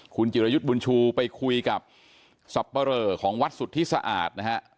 คุณจิรยุทธ์บุญชูไปคุยกับสับปะเรอของวัดสุทธิสะอาดนะฮะ